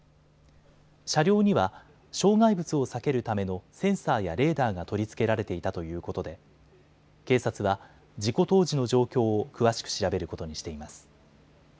車両には障害物を避けるためのセンサーやレーダーが取り付けられていたということで警察は事故当時の状況を詳しく調べることにしています。